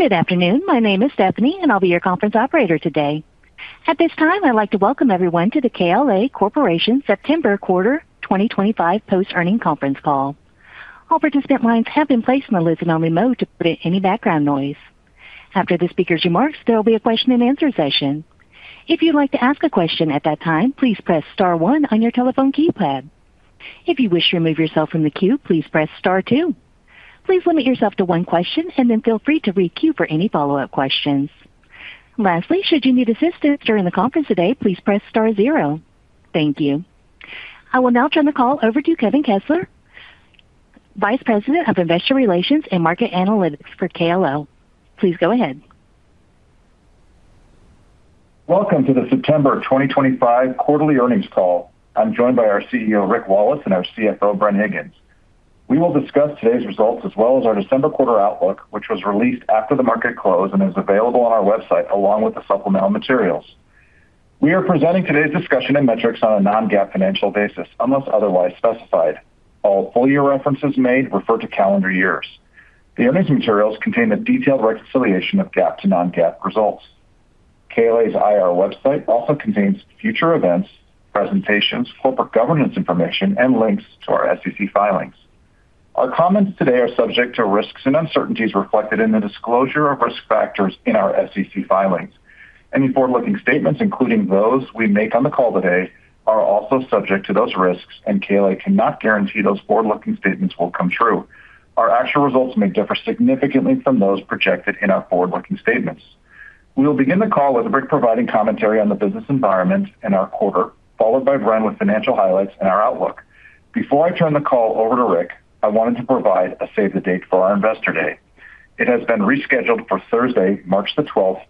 Good afternoon, my name is Stephanie and I'll be your conference operator today. At this time I'd like to welcome everyone to the KLA Corporation September Quarter 2025 Post Earnings Conference Call. All participant lines have been placed on listen-only mode to prevent any background noise. After the speakers' remarks, there will be a question-and-answer session. If you'd like to ask a question at that time, please press star one on your telephone keypad. If you wish to remove yourself from the queue, please press star two. Please limit yourself to one question and then feel free to requeue for any follow-up questions. Lastly, should you need assistance during the conference today, please press star zero. Thank you. I will now turn the call over to Kevin Kessel, Vice President of Investor Relations for KLA. Please go ahead. Welcome to the September 2025 quarterly earnings call. I'm joined by our CEO Rick Wallace and our CFO Bren Higgins. We will discuss today's results as well as our December quarter outlook, which was released after the market closed and is available on our website along with the supplemental materials. We are presenting today's discussion and metrics on a non-GAAP financial basis. Unless otherwise specified, all full year references made refer to calendar years. The earnings materials contain a detailed reconciliation of GAAP to non-GAAP results. KLA's IR website also contains future events, presentations, corporate governance information, and links to our SEC filings. Our comments today are subject to risks and uncertainties reflected in the disclosure of risk factors in our SEC filings. Any forward-looking statements, including those we make on the call today, are also subject to those risks, and KLA cannot guarantee those forward-looking statements will come true. Our actual results may differ significantly from those projected in our forward-looking statements. We will begin the call with Rick providing commentary on the business environment and our quarter, followed by Bren with financial highlights and our outlook. Before I turn the call over to Rick, I wanted to provide a save the date for our investor day. It has been rescheduled for Thursday, March 12,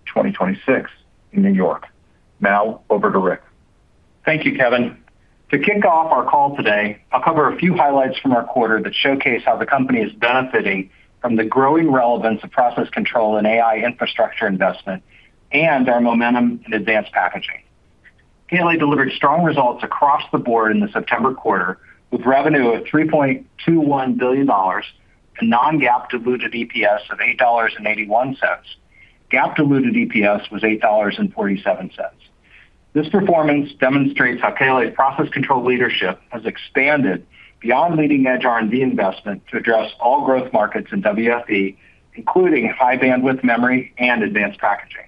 2026, in New York. Now over to Rick. Thank you, Kevin. To kick off our call today, I'll cover a few highlights from our quarter that showcase how the company is benefiting from the growing relevance of process control and AI infrastructure investment and our momentum in advanced packaging. KLA delivered strong results across the board in the September quarter with revenue of $3.21 billion. Non-GAAP diluted EPS of $8.81. GAAP diluted EPS was $8.47. This performance demonstrates how KLA's process control leadership has expanded beyond leading-edge R&D investment to address all growth markets in WFE, including high-bandwidth memory and advanced packaging.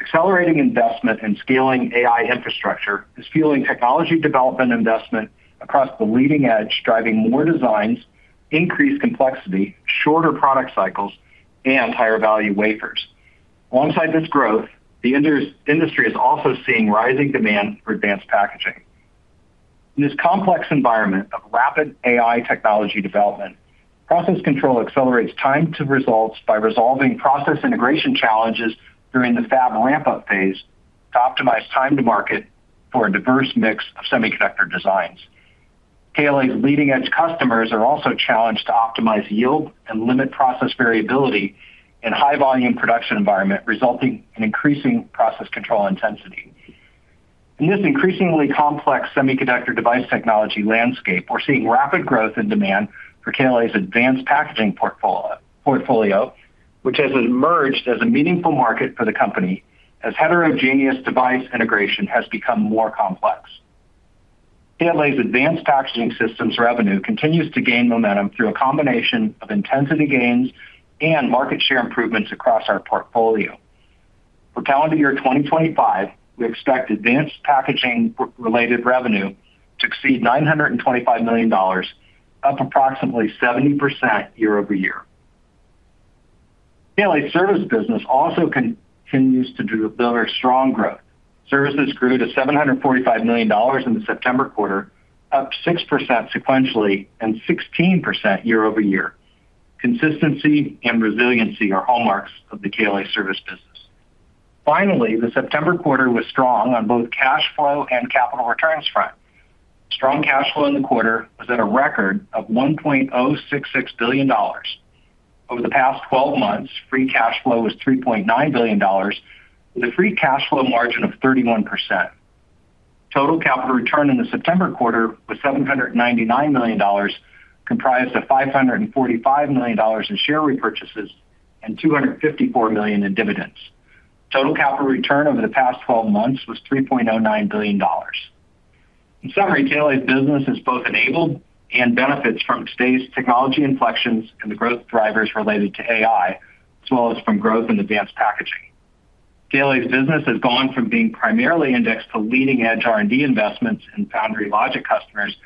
Accelerating investment in scaling AI infrastructure is fueling technology development investment across the leading edge, driving more designs, increased complexity, shorter product cycles, and higher value wafers. Alongside this growth, the industry is also seeing rising demand for advanced packaging. In this complex environment of rapid AI technology development, process control accelerates time to results by resolving process integration challenges during the fab ramp up phase to optimize time to market for a diverse mix of semiconductor designs. KLA's leading edge customers are also challenged to optimize yield and limit process variability in high volume production environment, resulting in increasing process control intensity. In this increasingly complex semiconductor device technology landscape, we're seeing rapid growth in demand for KLA's advanced packaging portfolio, which has emerged as a meaningful market for the company. As heterogeneous device integration has become more complex, KLA's advanced packaging systems revenue continues to gain momentum through a combination of intensity gains and market share improvements across our portfolio. For calendar year 2025, we expect advanced packaging related revenue to exceed $925 million, up approximately 70% year-over-year. Satellite service business also continues to deliver strong growth. Services grew to $745 million in the September quarter, up 6% sequentially and 16% year-over-year. Consistency and resiliency are hallmarks of the KLA service business. Finally, the September quarter was strong on both cash flow and capital returns front. Strong cash flow in the quarter was at a record of $1.066 billion over the past 12 months. Free cash flow was $3.9 billion with a free cash flow margin of 31%. Total capital return in the September quarter was $799 million, comprised of $545 million in share repurchases and $254 million in dividends. Total capital return over the past 12 months was $3.09 billion. In summary, KLA business has both enabled and benefits from today's technology inflections and the growth drivers related to AI as well as from growth in advanced packaging. KLA's business has gone from being primarily indexed to leading edge R&D investments and foundry logic customers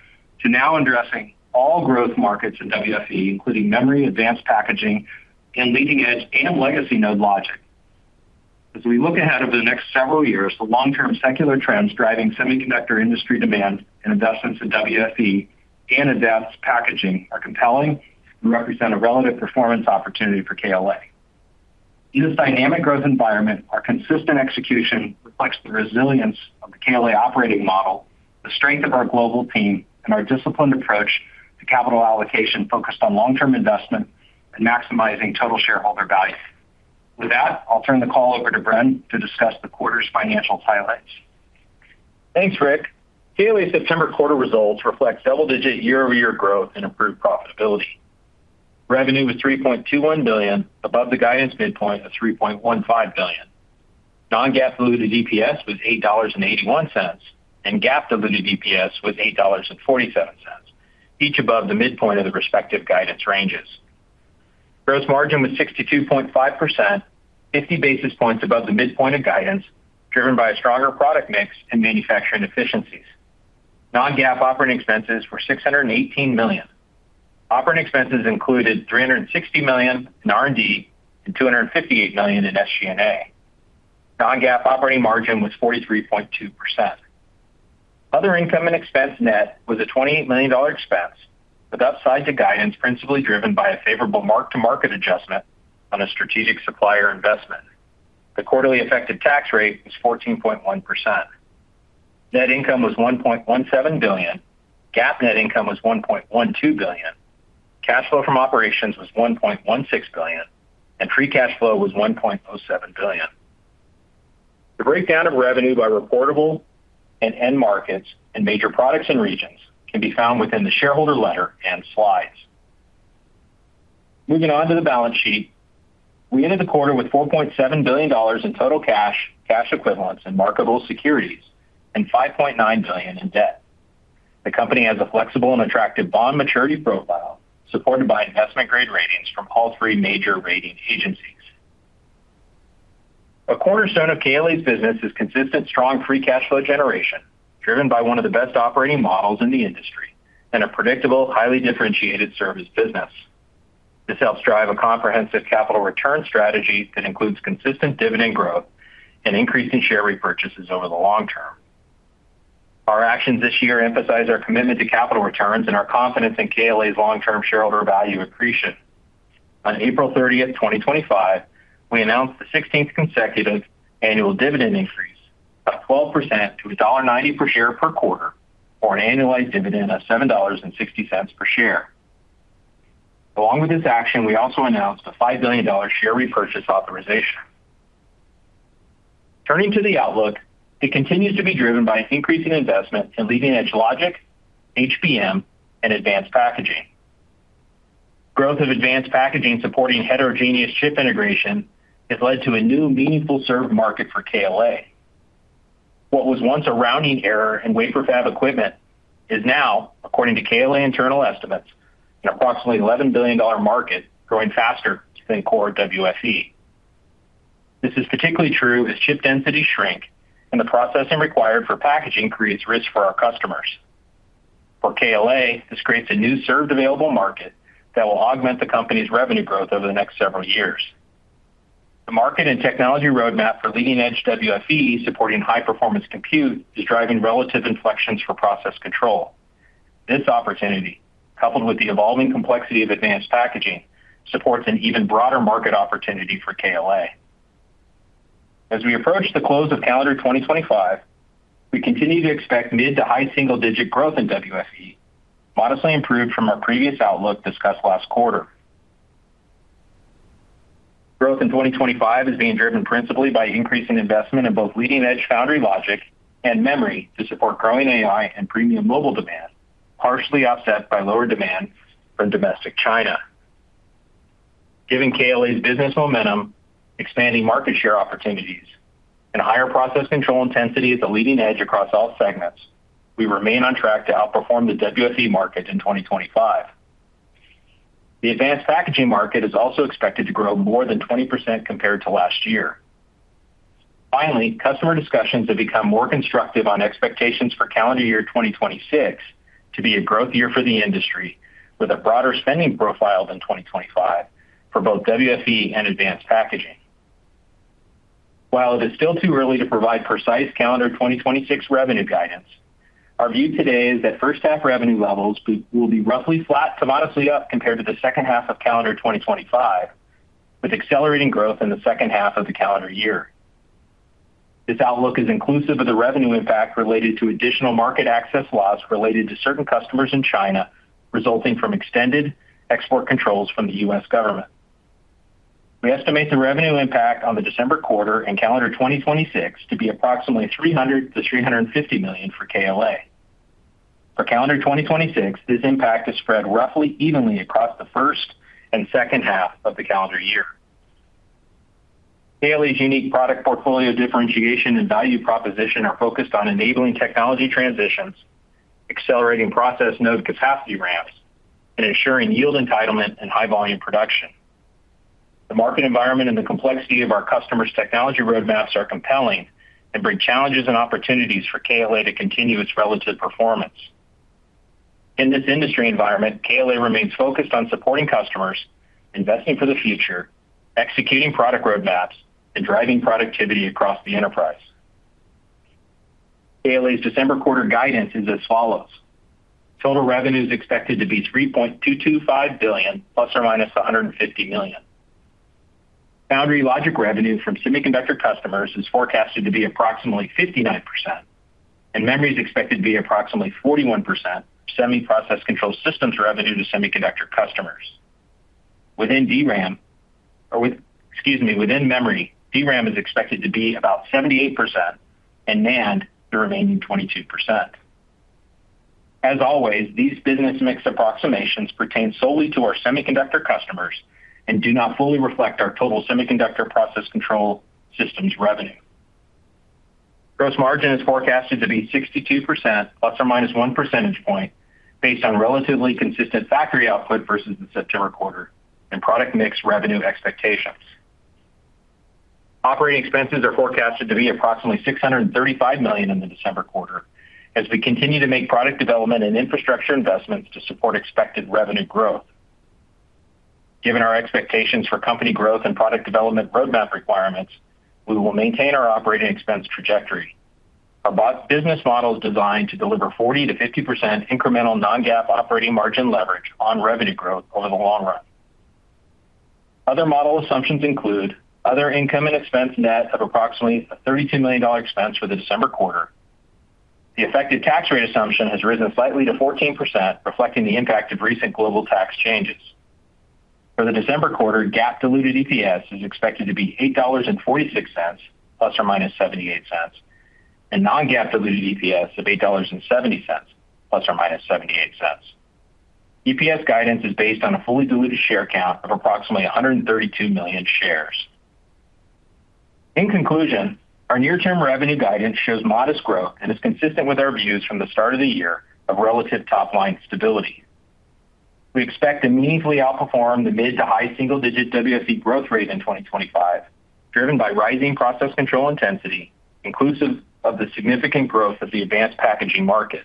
to now addressing all growth markets in WFE including memory, advanced packaging, and leading edge and legacy node logic. As we look ahead over the next several years, the long term secular trends driving semiconductor industry demand and investments in WFE and advanced packaging are compelling and represent a relative performance opportunity for KLA in this dynamic growth environment. Our consistent execution reflects the resilience, the KLA operating model, the strength of our global team, and our disciplined approach to capital allocation focused on long term investment and maximizing total shareholder value. With that, I'll turn the call over to Bren to discuss the quarter's financial highlights. Thanks Rick. KLA September quarter results reflect double digit year-over-year growth and improved profitability. Revenue was $3.21 billion, above the guidance midpoint of $3.15 billion. Non-GAAP diluted EPS was $8.81 and GAAP diluted EPS was $8.47, each above the midpoint of the respective guidance ranges. Gross margin was 62.5%, 50 basis points above the midpoint of guidance, driven by a stronger product mix and manufacturing efficiencies. Non-GAAP operating expenses were $618 million. Operating expenses included $360 million in R&D and $258 million in SG&A. Non-GAAP operating margin was 43.2%. Other income and expense, net, was a $28 million expense with upside to guidance principally driven by a favorable mark to market adjustment on a strategic supplier investment. The quarterly effective tax rate was 14.1%. Net income was $1.17 billion, GAAP net income was $1.12 billion, cash flow from operations was $1.16 billion, and free cash flow was $1.07 billion. The breakdown of revenue by reportable and end markets and major products and regions can be found within the shareholder letter and slides. Moving on to the balance sheet, we ended the quarter with $4.7 billion in total cash, cash equivalents, and marketable securities and $5.9 billion in debt. The company has a flexible and attractive bond maturity profile supported by investment grade ratings from all three major rating agencies. A cornerstone of KLA's business is consistent, strong free cash flow generation driven by one of the best operating models in the industry and a predictable, highly differentiated service business. This helps drive a comprehensive capital return strategy that includes consistent dividend growth and increasing share repurchases over the long term. Our actions this year emphasize our commitment to capital returns and our confidence in KLA's long term shareholder value accretion. On April 30, 2025, we announced the 16th consecutive annual dividend increase of 12% to $1.90 per share per quarter, or an annualized dividend of $7.60 per share. Along with this action, we also announced a $5 billion share repurchase authorization. Turning to the outlook, it continues to be driven by increasing investment in leading edge logic, HBM, and advanced packaging. Growth of advanced packaging supporting heterogeneous chip integration has led to a new meaningful served market for KLA. What was once a rounding error in wafer fab equipment is now, according to KLA internal estimates, an approximately $11 billion market growing faster than core WFE. This is particularly true as chip densities shrink and the processing required for packaging creates risk for our customers. For KLA, this creates a new served available market that will augment the company's revenue growth over the next several years. The market and technology roadmap for leading edge WFE supporting high performance compute is driving relative inflections for process control. This opportunity, coupled with the evolving complexity of advanced packaging, supports an even broader market opportunity for KLA. As we approach the close of calendar 2025, we continue to expect mid to high single digit growth in WFE, modestly improved from our previous outlook discussed last quarter. Growth in 2025 is being driven principally by increasing investment in both leading edge foundry logic and memory to support growing AI and premium mobile demand, partially offset by lower demand from domestic China. Given KLA's business momentum, expanding market share opportunities, and higher process control intensity at the leading edge across all segments, we remain on track to outperform the WFE market in 2025. The advanced packaging market is also expected to grow more than 20% compared to last year. Finally, customer discussions have become more constructive on expectations for calendar year 2026 to be a growth year for the industry with a broader spending profile than 2025 for both WFE and advanced packaging. While it is still too early to provide precise calendar 2026 revenue guidance, our view today is that first half revenue levels will be roughly flat to up compared to the second half of calendar 2025, with accelerating growth in the second half of the calendar year. This outlook is inclusive of the revenue impact related to additional market access loss related to certain customers in China resulting from extended export controls from the U.S. government. We estimate the revenue impact on the December quarter and calendar 2026 to be approximately $300 million-$350 million for KLA. For calendar 2026, this impact is spread roughly evenly across the first and second half of the calendar year. KLA's unique product portfolio differentiation and value proposition are focused on enabling technology transitions, accelerating process node capacity ramps, and ensuring yield entitlement and high volume production. The market environment and the complexity of our customers' technology roadmaps are compelling and bring challenges and opportunities for KLA to continue its relative performance in this industry environment. KLA remains focused on supporting customers, investing for the future, executing product roadmaps, and driving productivity across the enterprise. KLA's December quarter guidance is as follows. Total revenue is expected to be $3.225 billion+ or -$150 million. Foundry logic revenue from semiconductor customers is forecasted to be approximately 59% and memory is expected to be approximately 41%. Semiconductor process control systems revenue to semiconductor customers within memory, DRAM is expected to be about 78% and NAND the remaining 22%. As always, these business mix approximations pertain solely to our semiconductor customers and do not fully reflect our total semiconductor process control systems revenue. Gross margin is forecasted to be 62% ±1 percentage point based on relatively consistent factory output versus the September quarter and product mix revenue expectations. Operating expenses are forecasted to be approximately $635 million in the December quarter as we continue to make product development and infrastructure investments to support expected revenue growth. Given our expectations for company growth and product development roadmap requirements, we will maintain our operating expense trajectory. Our business model is designed to deliver 40%-50% incremental non-GAAP operating margin leverage on revenue growth over the long run. Other model assumptions include other income and expense net of approximately $32 million expense. For the December quarter, the effective tax rate assumption has risen slightly to 14% reflecting the impact of recent global tax changes. For the December quarter, GAAP diluted EPS is expected to be $8.46 ±$0.78 and non-GAAP diluted EPS of $8.70 ±$0.78. EPS guidance is based on a fully diluted share count of approximately 132 million shares. In conclusion, our near term revenue guidance shows modest growth and is consistent with our views from the start of the year of relative top line stability. We expect to meaningfully outperform the mid to high single digit WFE growth rate in 2025 driven by rising process control intensity inclusive of the significant growth of the advanced packaging market.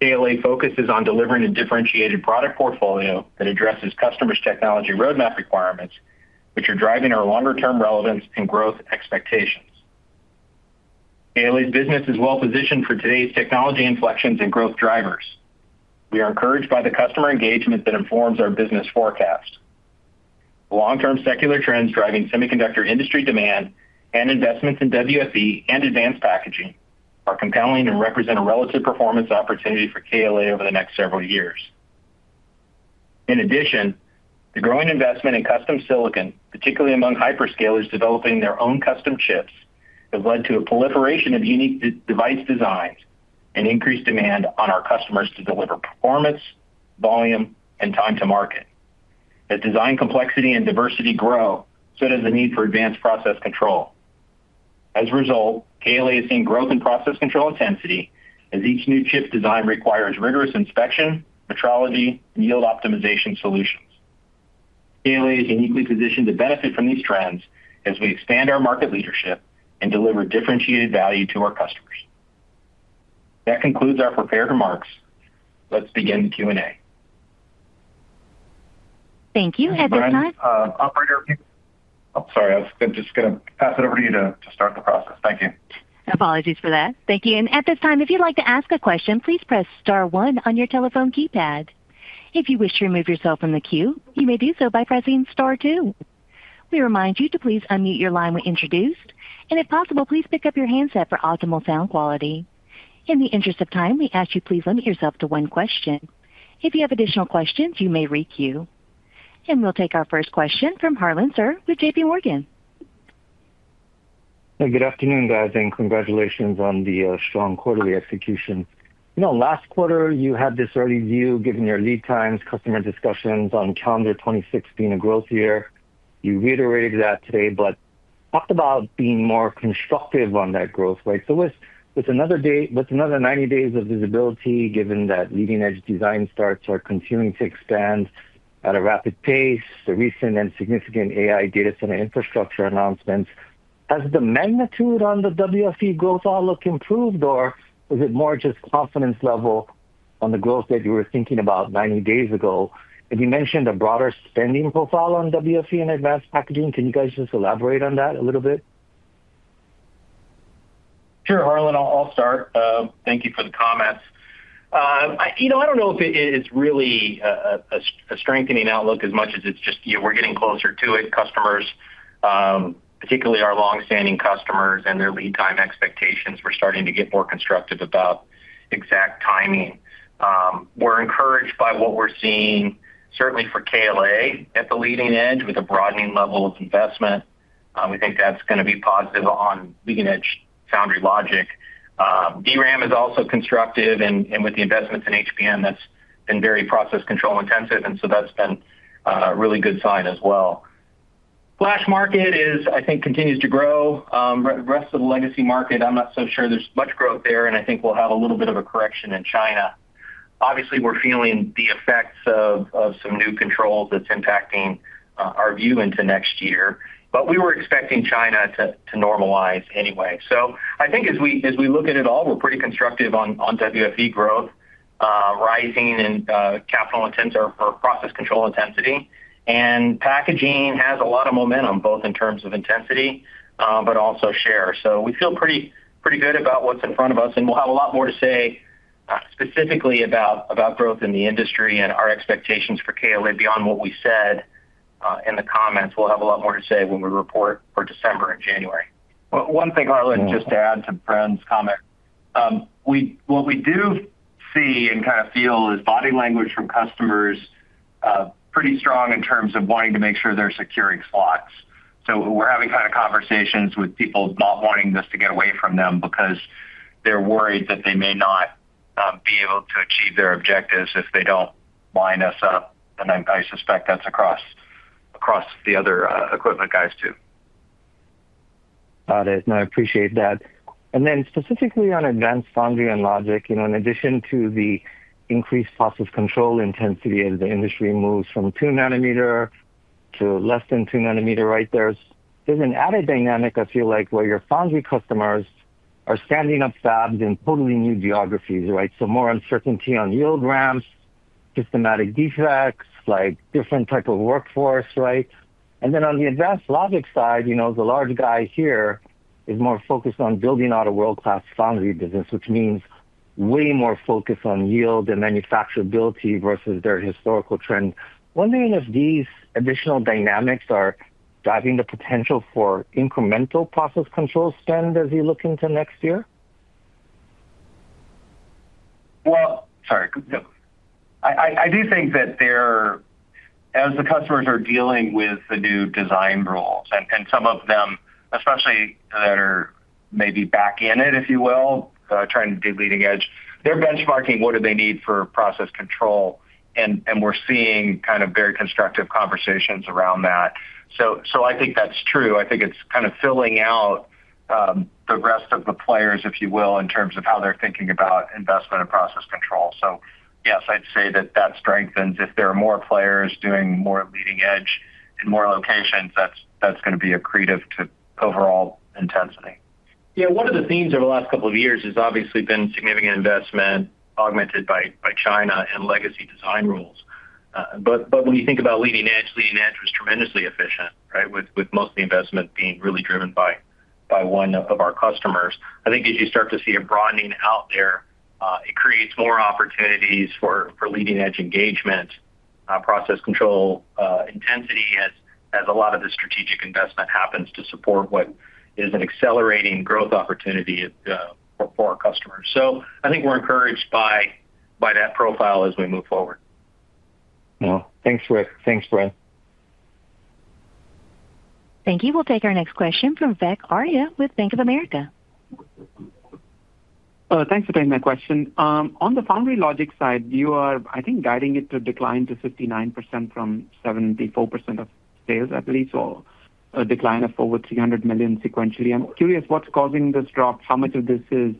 ALA focuses on delivering a differentiated product portfolio that addresses customers' technology roadmap requirements, which are driving our longer term relevance and growth expectations. KLA's business is well positioned for today's technology inflections and growth drivers. We are encouraged by the customer engagement that informs our business forecast. Long term secular trends driving semiconductor industry demand and investments in WFE and advanced packaging are compelling and represent a relative performance opportunity for KLA over the next several years. In addition, the growing investment in custom Silicon Valley, particularly among hyperscalers developing their own custom chips, has led to a proliferation of unique device designs and increased demand on our customers to deliver performance, volume, and time to market. As design complexity and diversity grow, so does the need for advanced process control. As a result, KLA has seen growth in process control intensity as each new chip design requires rigorous inspection, metrology, and yield optimization solutions. ALA is uniquely positioned to benefit from these trends as we expand our market leadership and deliver differentiated value to our customers. That concludes our prepared remarks. Let's begin the Q and A. Thank you. Operator, I'm sorry, I was just going to pass it over to you to start the process. Thank you. Apologies for that. Thank you. At this time, if you'd like to ask a question, please press star one on your telephone keypad. If you wish to remove yourself from the queue, you may do so by pressing star two. We remind you to please unmute your line when introduced, and if possible, please pick up your handset for optimal sound quality. In the interest of time, we ask you to please limit yourself to one question. If you have additional questions, you may requeue, and we'll take our first question from Harlan Sur with JPMorgan. Good afternoon guys and congratulations on the strong quarterly execution. You know last quarter you had this early view given your lead times, customer discussions on calendar 2016, a growth year. You reiterated that today but talked about being more constructive on that growth rate. With another 90 days of visibility, given that Leading Edge design starts are continuing to expand at a rapid pace, the recent and significant AI data center infrastructure announcements, has the magnitude on the WFE growth outlook improved or is it more just confidence level on the growth that you were thinking about 90 days ago? You mentioned a broader spending profile on WFE and advanced packaging. Can you guys just elaborate on that a little bit? Sure Harlan, I'll start. Thank you for the comments. I don't know if it's really a strengthening outlook as much as it's just, you know, we're getting closer to IT customers, particularly our longstanding customers and their lead time expectations. We're starting to get more constructive about exact timing. We're encouraged by what we're seeing certainly for KLA at the leading edge with a broadening level of investment. We think that's going to be positive. On leading edge foundry logic, DRAM is also constructive and with the investments in HBM that's been very process control intensive and so that's been a really good sign as well. Flash market is, I think, continues to grow. Rest of the legacy market, I'm not so sure there's much growth there and I think we'll have a little bit of a correction in China. Obviously we're feeling the effects of some new control that's impacting our view into next year, but we were expecting China to normalize anyway. As we look at it all, we're pretty constructive on WFE growth rising in capital intensive process control intensity and packaging has a lot of momentum both in terms of intensity but also share. We feel pretty good about what's in front of us and we'll have a lot more to say specifically about growth in the industry and our expectations for KLA beyond what we said in the comments. We'll have a lot more to say when we report for December and January. One thing Harlan, just to add to Bren's comment. What we do see and kind of feel is body language from customers pretty strong in terms of wanting to make sure they're securing slots. We're having kind of conversations with people not wanting us to get away from them because they're worried that they may not be able to achieve their objectives if they don't line us up. I suspect that's across the other equipment guys too. Got it. I appreciate that. Specifically on advanced foundry and logic, in addition to the increased process control intensity as the industry moves from 2 nm to less than 2 nm, there's an added dynamic where your foundry customers are standing up fabs in totally new geographies. More uncertainty on yield ramps, systematic defects, different type of workforce. On the advanced logic side, the large guy here is more focused on building out a world class foundry business which means way more focus on yield and manufacturability versus their historical trend. Wondering if these additional dynamics are driving the potential for incremental process control spend as you look into next year. I do think that as the customers are dealing with the new design rules and some of them especially are maybe back in it, if you will, trying to do leading edge. They're benchmarking what do they need for process control and we're seeing very constructive conversations around that. I think that's true. I think it's kind of filling out the rest of the players, if you will, in terms of how they're thinking about investment and process control. Yes, I'd say that strengthens if there are more players doing more leading edge in more locations, that's going to be accretive to overall intensity. One of the themes over the last couple of years has obviously been significant investment augmented by China and legacy design rules. When you think about leading edge, leading edge was tremendously efficient with most of the investment being really driven by one of our customers. I think as you start to see a broadening out there, it creates more opportunities for leading edge engagement, process control intensity, as a lot of the strategic investment happens to support what is an accelerating growth opportunity for our customers. I think we're encouraged by that profile as we move forward. Thanks, Rick. Thanks, Bren. Thank you. We'll take our next question from Saurabh Arya with Bank of America. Thanks for taking that question. On the foundry/logic side, you are, I think, guiding it to decline to 59% from 74% of sales at least, or a decline of over $300 million sequentially. I'm curious what's causing this drop? How much of this is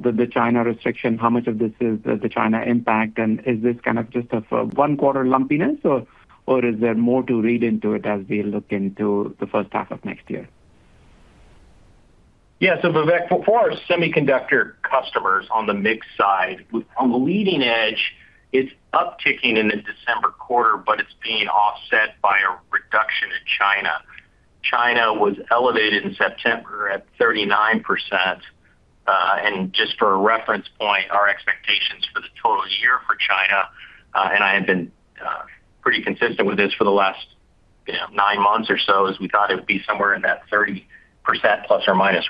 the China restriction? How much of this is the China impact? Is this kind of just a 1/4 lumpiness or is there more to read into it as we look into the first half of next year? Yeah. So Saurabh, for our semiconductor customers on the mix side, on the leading edge, it's upticking in the December quarter, but it's being offset by a reduction in China. China was elevated in September at 39%. Just for a reference point, our expectations for the total year for China, and I have been pretty consistent with this for the last nine months or so, as we thought it would be somewhere in that ±30%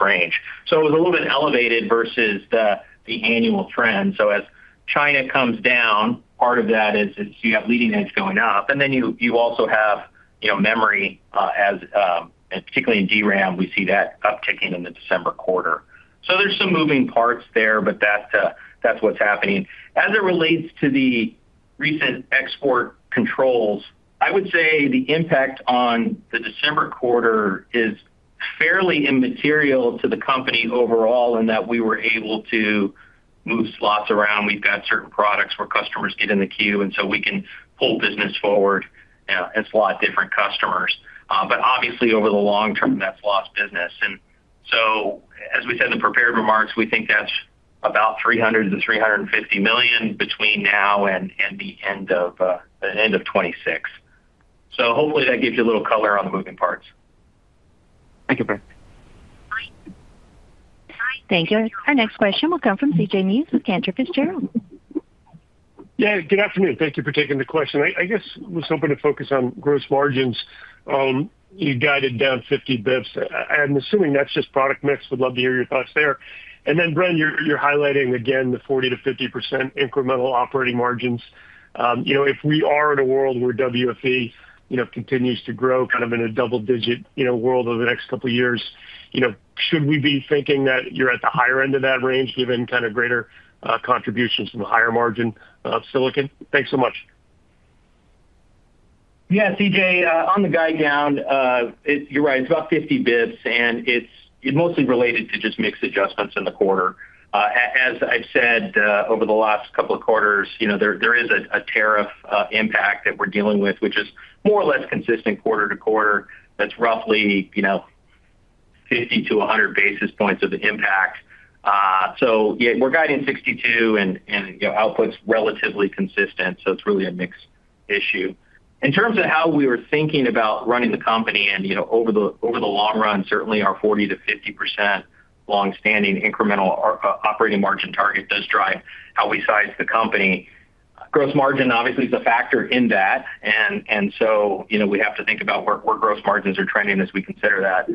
range. It was a little bit elevated versus the annual trend. As China comes down, part of that is you have leading edge going up and then you also have memory, as particularly in DRAM, we see that upticking in the December quarter. There's some moving parts there, but that's what's happening as it relates to the recent export controls. I would say the impact on the December quarter is fairly immaterial to the company overall in that we were able to move slots around. We've got certain products where customers get in the queue and so we can pull business forward. It's a lot different customers, but obviously over the long term that's lost business. As we said in the prepared remarks, we think that's about $300 million-$350 million between now and the end of 2026. Hopefully that gives you a little color on the moving parts. Thank you, Bren. Thank you. Our next question will come from CJ Muse with Cantor Fitzgerald. Yeah, good afternoon. Thank you for taking the question. I guess was hoping to focus on gross margins. You guided down 50 bps. I'm assuming that's just product mix. Would love to hear your thoughts there. Then Bren, you're highlighting again the 40%-50% incremental operating margins. If we are in a world where WFE continues to grow kind of in a double digit world over the next couple years, should we be thinking that you're at the higher end of that range given greater contributions from higher margin of silicon? Thanks so much. Yeah, CJ, on the guide down, you're right. It's about 50 bps and it's mostly related to just mix adjustments in the quarter as I've said over the last couple of quarters. There is a tariff impact that we're dealing with which is more or less consistent. Quarter to quarter, that's roughly 50-100 basis points of impact. We're guiding 62 and output's relatively consistent. It's really a mix issue in terms of how we were thinking about running the company. Over the long run, certainly our 40%-50% long standing incremental operating margin target does drive how we size the company. Gross margin obviously is a factor in that. We have to think about where gross margins are trending as we consider that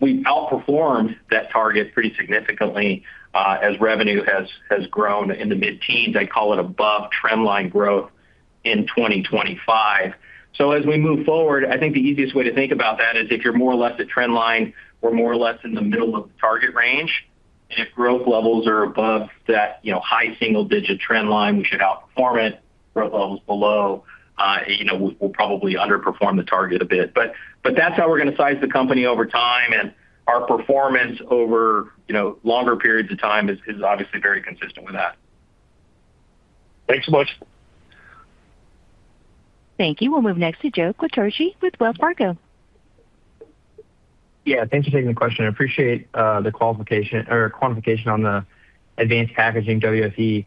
we outperformed that target pretty significantly as revenue has grown in the mid teens, I call it above trendline growth in 2025. As we move forward, I think the easiest way to think about that is if you're more or less at trendline, we're more or less in the middle of target range and if growth levels are above that high single digit trendline, we could outperform it. Growth levels below, we'll probably underperform the target a bit. That's how we're going to size the company over time. Our performance over longer periods of time is obviously very consistent with that. Thanks so much. Thank you. We'll move next to Joe Quatrochi with Wells Fargo. Yeah, thanks for taking the question. I appreciate the qualification or quantification on the advanced packaging WFE.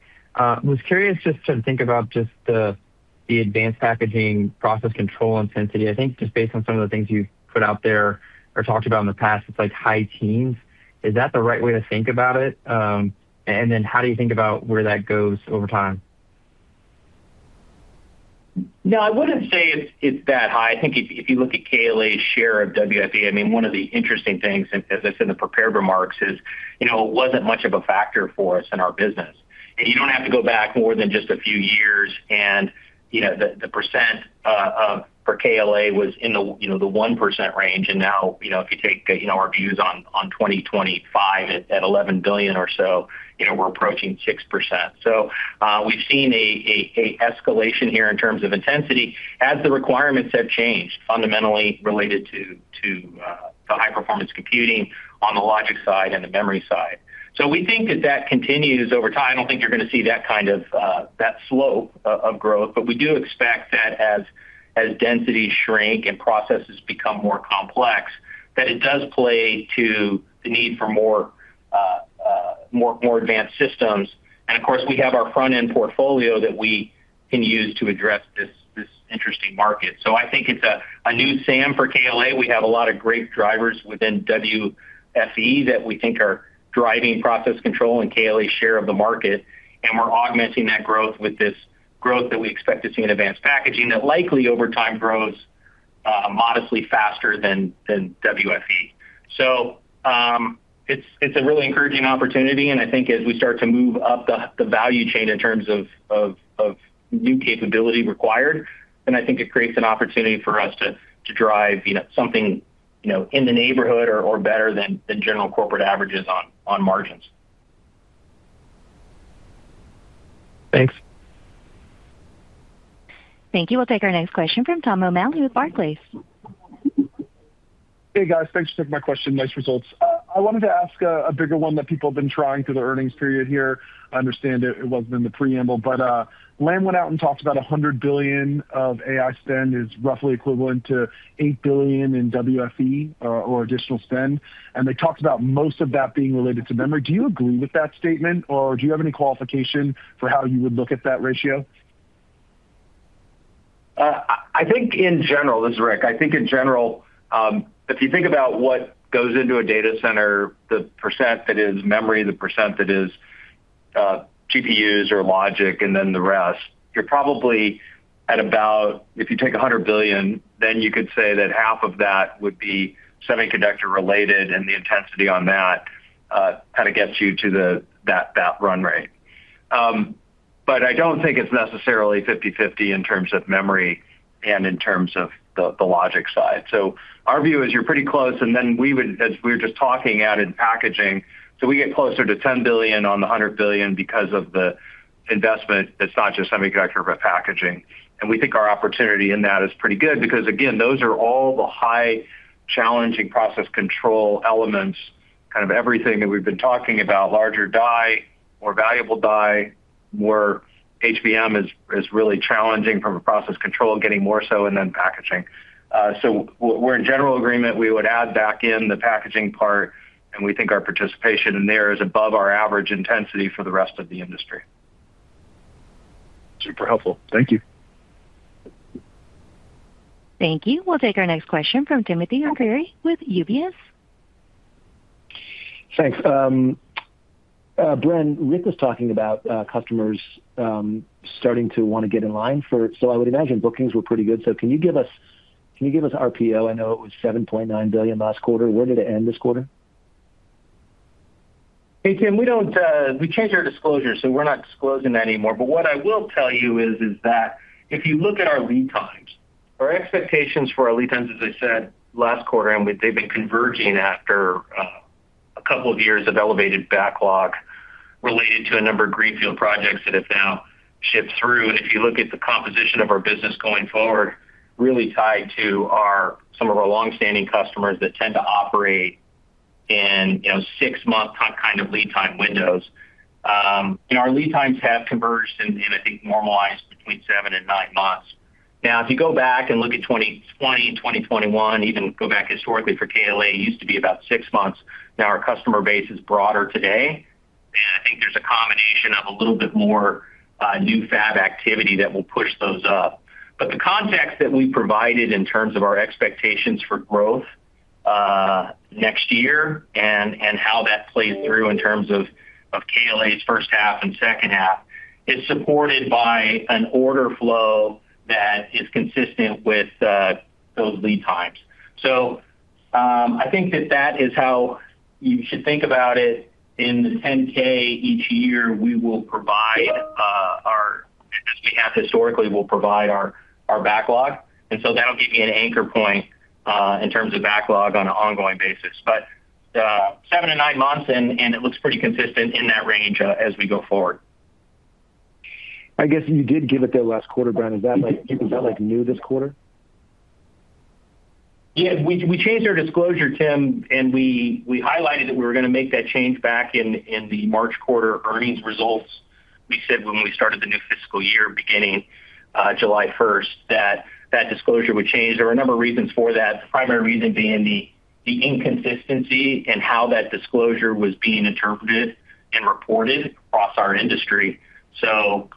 Was curious just to think about just the, the advanced packaging process control intensity. I think just based on some of the things you put out there or talked about in the past, it's like high teens. Is that the right way to think about it? How do you think about where that goes over time? No, I wouldn't say it's that high. I think if you look at KLA share of WFE, one of the interesting things, as I said in the prepared remarks, is it wasn't much of a factor for us in our business. You don't have to go back more than just a few years. The percent for KLA was in the 1% range. Now if you take our views on 2025 at $11 billion or so, we're approaching 6%. We've seen an escalation here in terms of intensity as the requirements have changed fundamentally related to the high performance computing on the logic side and the memory side. We think that that continues over time. I don't think you're going to see that kind of slope of growth. We do expect that as densities shrink and processes become more complex, it does play to the need for more advanced systems. Of course, we have our front end portfolio that we can use to address this interesting market. I think it's a new SAM for KLA. We have a lot of great drivers within WFE that we think are driving process control and KLA share of the market. We're augmenting that growth with this growth that we expect to see in advanced packaging that likely over time grows modestly faster than WFE. It's a really encouraging opportunity and I think as we start to move up the value chain in terms of new capability required, I think it creates an opportunity for us to drive something in the neighborhood or better than general corporate averages on margins. Thanks. Thank you. We'll take our next question from Tom O'Malley with Barclays. Hey guys, thanks for taking my question. Nice results. I wanted to ask a bigger one that people have been trying through the earnings period here. I understand it wasn't in the preamble, but went out and talked about $100 billion of AI spend is roughly equivalent to $8 billion in WFE or additional spend. They talked about most of that being related to memory. Do you agree with that statement or do you have any qualification for how you would look at that ratio? I think in general, Rick, I think in general if you think about what goes into a data center, the percentage that is memory, the percentage that is GPUs or logic and then the rest, you're probably at about, if you take $100 billion, then you could say that half of that would be semiconductor related. The intensity on that kind of gets you to that run rate, but I don't think it's necessarily 50/50 in terms of memory and in terms of the logic side. Our view is you're pretty close. As we were just talking, added packaging, so we get closer to $10 billion on $100 billion because of the investment. It's not just semiconductor but packaging. We think our opportunity in that is pretty good because again those are all the high challenging process control elements, kind of everything that we've been talking about. Larger die, more valuable die where HBM is really challenging from a process control, getting more so, and then packaging. We're in general agreement. We would add back in the packaging part and we think our participation in there is above our average intensity for the rest of the industry. Super helpful. Thank you. Thank you. We'll take our next question from Timothy Acuri with UBS. Thanks, Bren. Rick was talking about customers starting to want to get in line for, so I would imagine bookings were pretty good. Can you give us, can you give us RPO? I know it was $7.9 billion last quarter. Where did it end this quarter? Hey Tim, we changed our disclosures, so we're not disclosing that anymore. What I will tell you is that if you look at our lead times, our expectations for our lead times, as I said last quarter, they've been converging after a couple of years of elevated backlog related to a number of greenfield projects that have now shipped through. If you look at the composition of our business going forward, really tied to some of our longstanding customers that tend to operate in six-month kind of lead time windows, our lead times have converged and I think normalized between seven and nine months. If you go back and look at 2020, 2021, even go back historically for KLA, it used to be about six months. Our customer base is broader today, and I think there's a combination of a little bit more new fab activity that will push those up. The context that we provided in terms of our expectations for growth next year and how that plays through in terms of KLA's first half and second half is supported by an order flow that is consistent with those lead times. I think that is how you should think about it. In the 10-K each year, as we have historically, we will provide our backlog. That will give you an anchor point in terms of backlog on an ongoing basis. Seven to nine months, and it looks pretty consistent in that range as we go forward. I guess you did give it the last quarter, Bren. Is that new this quarter? Yeah, we changed our disclosure, Tim, and we highlighted that we were going to make that change back in the March quarter results. We said when we started the new fiscal year beginning July 1 that disclosure would change. There are a number of reasons for that. The primary reason being the inconsistency in how that disclosure was being interpreted and reported across our industry.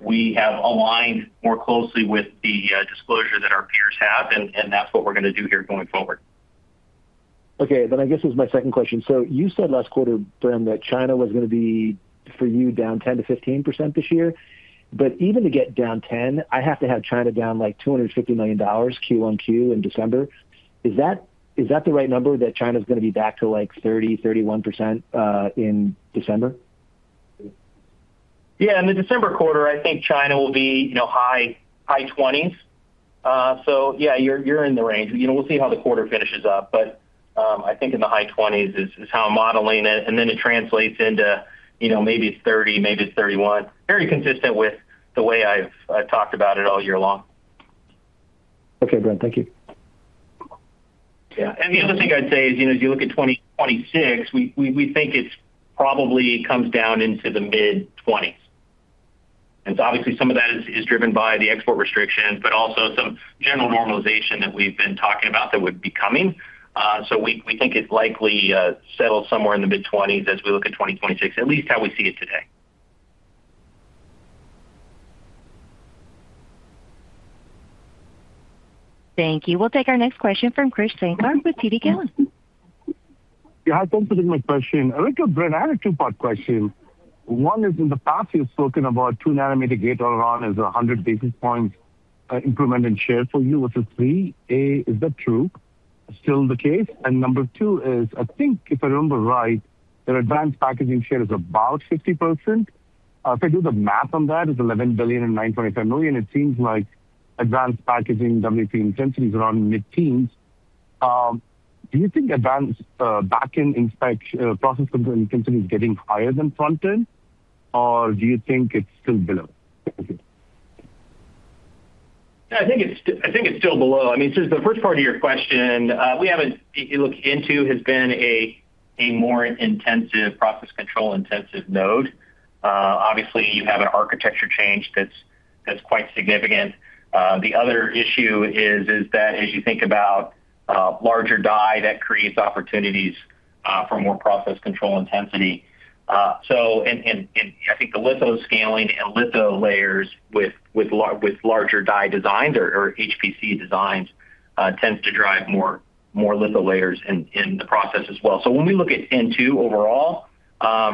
We have aligned more closely with the disclosure that our peers have, and that's what we're going to do here going forward. Okay, then I guess it's my second question. You said last quarter, Bren, that China was going to be for you down 10% to 15% this year. Even to get down 10%, I have to have China down like $250 million QoQ in December. Is that the right number that China is going to be back to like 30, 31% in December? Yeah, in the December quarter I think China will be high, high 20s. Yeah, you're in the range. We'll see how the quarter finishes up. I think in the high 20s is how I'm modeling it and then it translates into, you know, maybe it's 30, maybe it's 31. Very consistent with the way I talked about it all year long. Okay, Brent, thank you. Yeah. The other thing I'd say is, as you look at 2026, we think it probably comes down into the mid-20s and obviously some of that is driven by the export restrictions, but also some general normalization that we've been talking about that would be coming. We think it likely settles somewhere in the mid-20s as we look at 2026, at least how we see it today. Thank you. We'll take our next question from Chris with TD Cowen. Yeah, thanks for taking my question. I had a two-part question. One is, in the past you've spoken about 2 nm gate all around as a 100 basis point improvement in share for you. What's a? Is that still the case? And number two is, I think if I remember right, their advanced packaging share is about 50%. If I do the math on that, it's $11 billion and $9.5 million. It seems like advanced packaging WFE intensity is around mid-teens. Do you think advanced back end inspection process control is getting higher than front end or do you think it's still below? I think it's still below. I mean, since the first part of your question we haven't looked into has been a more intensive process control intensive node. Obviously, you have an architecture change that's quite significant. The other issue is that as you think about larger die, that creates opportunities for more process control intensity. I think the lithoscaling and litho layers with larger die designs or HPC designs tends to drive more litho layers in the process as well. When we look at N2 overall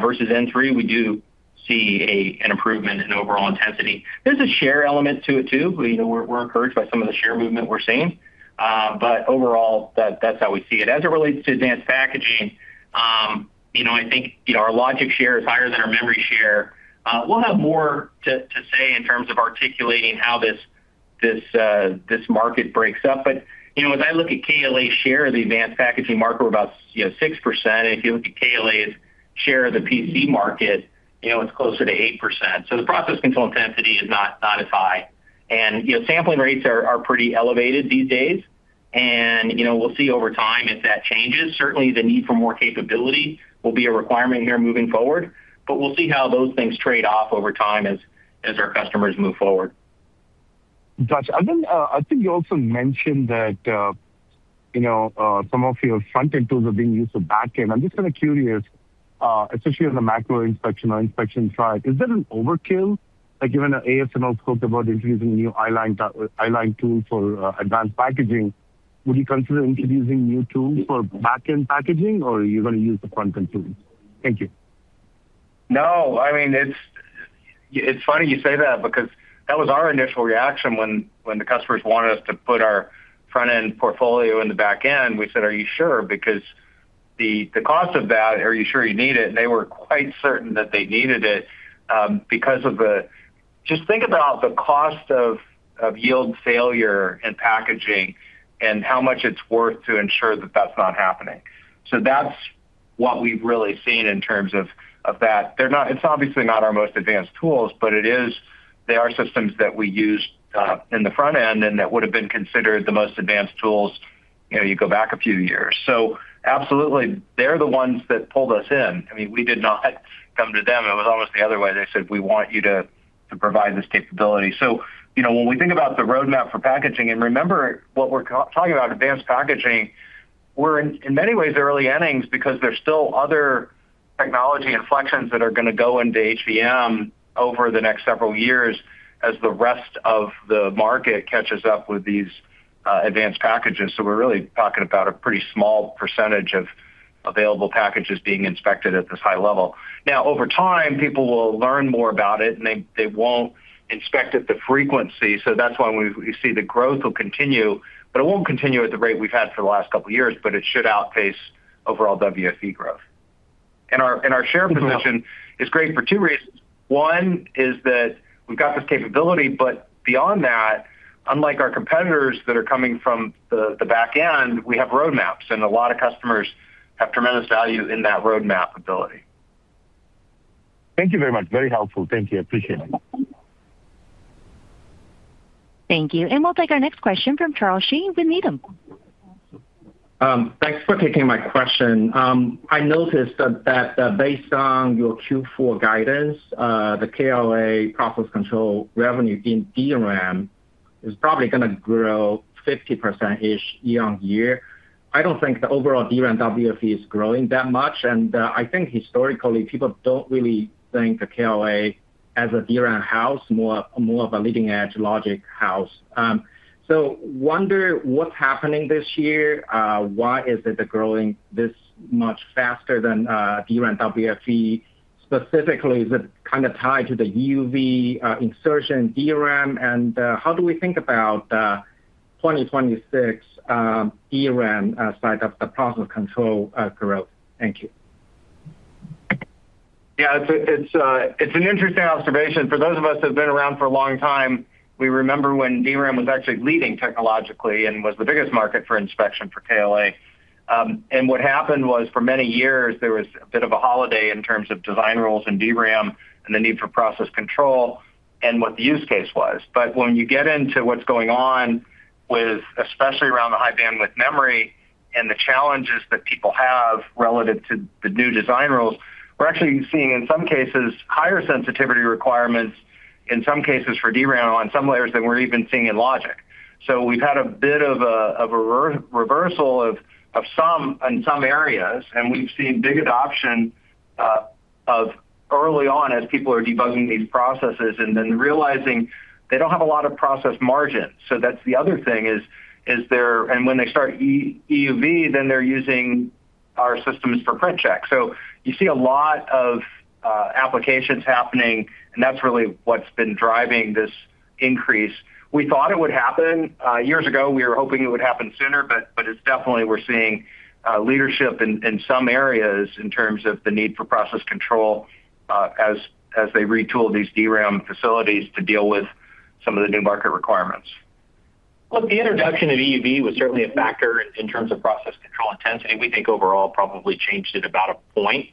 versus N3, we do see an improvement in overall intensity. There's a share element to it too. We're encouraged by some of the share movement we're seeing, but overall that's how we see it as it relates to advanced packaging. I think our logic share is higher than our memory share. We'll have more to say in terms of articulating how this market breaks up. As I look at KLA share, the advanced packaging market, we're about 6%. If you look at KLA's share of the PC market, it's closer to 8%. The process control intensity is not as high. Sampling rates are pretty elevated these days and we'll see over time if that changes. Certainly, the need for more capability will be a requirement here moving forward, but we'll see how those things trade off over time as our customers move forward. Gotcha. I think you also mentioned that some of your front end tools are being used for backend. I'm just kind of curious, especially on the macro inspection or inspection side, is there an overkill? Even ASML scoped about introducing new I-line tool for advanced packaging. Would you consider introducing new tools for back end packaging or are you going to use the punk and tool? Thank you, no. It's funny you say that because that was our initial reaction when the customers wanted us to put our front end portfolio in the back end. We said, are you sure? Because the cost of that, are you sure you need it? They were quite certain that they needed it because of the—just think about the cost of yield failure in packaging and how much it's worth to ensure that that's not happening. That's what we've really seen in terms of that. It's obviously not our most advanced tools, but they are systems that we use in the front end and that would have been considered the most advanced tools if you go back a few years. Absolutely, they're the ones that pulled us in. We did not come to them; it was almost the other way. They said, we want you to provide this capability. When we think about the roadmap for packaging—and remember what we're talking about, advanced packaging—in many ways, early innings, because there are still other technology inflections that are going to go into HBM over the next several years as the rest of the market catches up with these advanced packages. We're really talking about a pretty small percentage of available packages being inspected at this high level. Over time, people will learn more about it and they won't inspect at the frequency. That's why we see the growth will continue, but it won't continue at the rate we've had for the last couple of years. It should outpace overall WFE growth. Our share position is great for two reasons. One is that we've got this capability, but beyond that, unlike our competitors that are coming from the back end, we have roadmaps and a lot of customers have tremendous value in that roadmap ability. Thank you very much, very helpful. Thank you. I appreciate it. Thank you. We'll take our next question from Charles Shi with Needham. Thanks for taking my question. I noticed that based on your Q4 guidance, the KLA profile control revenue in DRAM is probably going to grow 50% ish year-on-year. I don't think the overall DRAM WFE is growing that much. I think historically people don't really think of KLA as a DRAM house, more of a leading edge logic house. I wonder what's happening this year. Why is it growing this much faster than DRAM WFE specifically, is it kind of tied to the EUV insertion in DRAM and how do we think about 2026 DRAM outside of the process control growth? Thank you. Yeah, it's an interesting observation. For those of us that have been around for a long time, we remember when DRAM was actually leading technologically and was the biggest market for inspection for KLA. What happened was for many years there was a bit of a holiday in terms of design rules in DRAM and the need for process control and what the use case was. When you get into what's going on, especially around the high-bandwidth memory and the challenges that people have relative to the new design rules, we're actually seeing in some cases higher sensitivity requirements for DRAM on some layers than we're even seeing in logic. We've had a bit of a reversal in some areas and we've seen big adoption early on as people are debugging these processes and then realizing they don't have a lot of process margin. That's the other thing that is there, and when they start EUV then they're using our systems for print check. You see a lot of applications happening and that's really what's been driving this increase. We thought it would happen years ago, we were hoping it would happen sooner, but it's definitely happening. We're seeing leadership in some areas in terms of the need for process control as they retool these DRAM facilities to deal with some of the new market requirements. The introduction of EUV was certainly a factor in terms of process control intensity. We think overall it probably changed it about a point.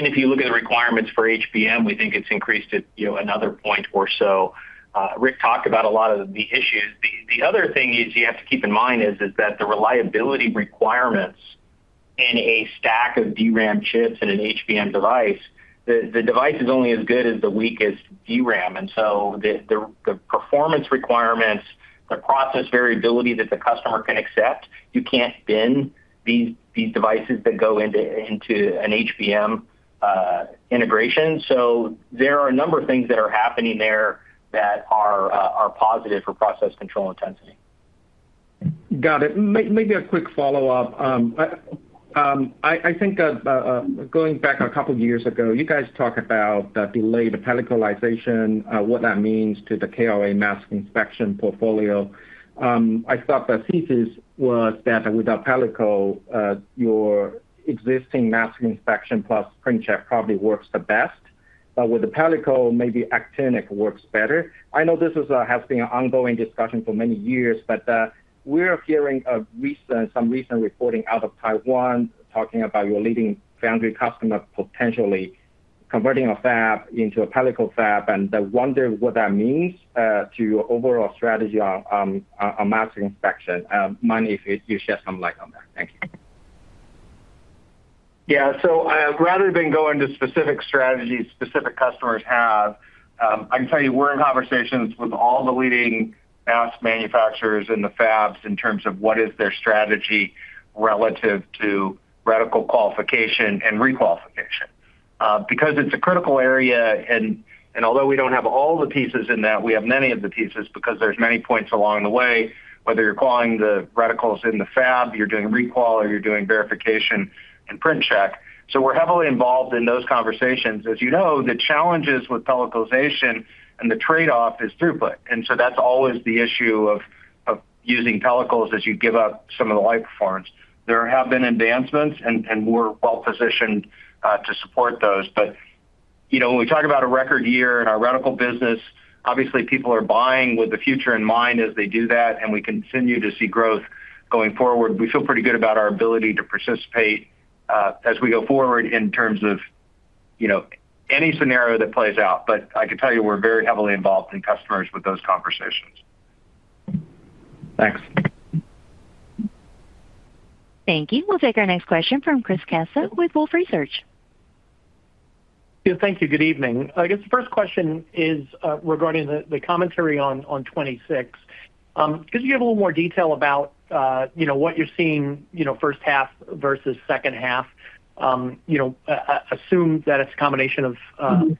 If you look at the requirements for HBM, we think it's increased to another point or so. Rick talked about a lot of the issues. The other thing you have to keep in mind is that the reliability requirements in a stack of DRAM chips in an HBM device, the device is only as good as the weakest DRAM. The performance requirements, the process variability that the customer can accept, you can't bin these devices that go into an HBM integration. There are a number of things that are happening there that are positive for process control intensity. Got it. Maybe a quick follow-up. I think going back a couple of years ago, you guys talk about delayed pellicle-ization, what that means to the KLA mask inspection portfolio. I thought the thesis was that without pellicle your existing mask inspection plus screen check probably works the best, but with the pellicle maybe actinic works better. I know this has been an ongoing discussion for many years, but we are hearing some recent reporting out of Taiwan talking about your leading foundry customer potentially converting a fab into a pellicle fab. I wonder what that means to your overall strategy on mask inspection. Maybe you shed some light on that. Thank you. Yeah, so rather than go into specific strategies specific customers have, I can tell you we're in conversations with all the leading mask manufacturers in the fabs in terms of what is their strategy relative to reticle qualification and requalification. It's a critical area and although we don't have all the pieces in that, we have many of the pieces because there's many points along the way, whether you're calling the reticles in the fab, you're doing recall, or you're doing verification and print check. We're heavily involved in those conversations. As you know, the challenges with pellicle utilization and the trade-off is throughput. That's always the issue of using pellicles as you give up some of the light performance. There have been advancements and we're well positioned to support those. When we talk about a record year in our reticle business, obviously people are buying with the future in mind as they do that and we continue to see growth going forward. We feel pretty good about our ability to participate as we go forward in terms of any scenario that plays out. I can tell you we're very heavily involved in customers with those conversations. Thanks. Thank you. We'll take our next question from Chris Caso with Wolfe Research. Thank you. Good evening. I guess the first question is regarding the commentary on 26. Could you give a little more detail about what you're seeing, first half versus second half? I assume that it's a combination of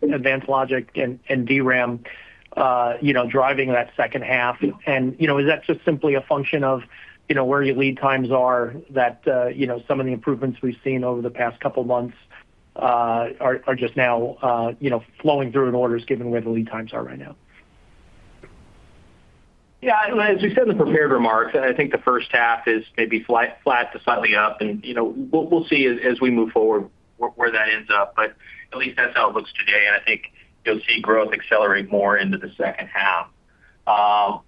advanced logic and DRAM driving that second half, and is that just simply a function of where your lead times are, that some of the improvements we've seen over the past couple of months are just now flowing through in orders given where the lead times are right now? Yeah, as you said in the prepared remarks, I think the first half is maybe flat to slightly up, and we'll see as we move forward where that ends up. At least that's how it looks today. I think you'll see growth accelerate more into the second half.